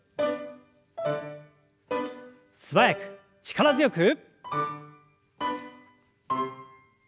素早く力強く。